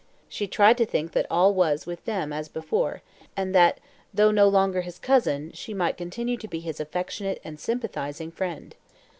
She tried to think that all was with them as before, and that, though no longer his cousin, she might continue to be his affectionate and sympathizing friend.